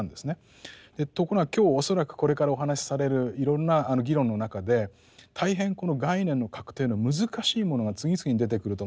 ところが今日恐らくこれからお話しされるいろんな議論の中で大変この概念の確定の難しいものが次々に出てくると思うんです。